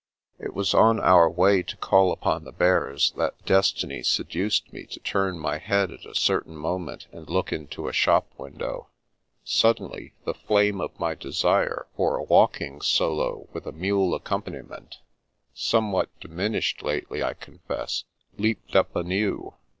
It was on our way to call upon the Bears, that destiny seduced me to turn my head at a certain moment, and look into a shop window. Suddenly the flame of my desire for the walking solo with a mule accompaniment (somewhat diminished lately, I confess) leaped up anew.